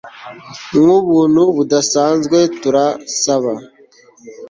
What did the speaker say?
Nkubuntu budasanzwe turasaba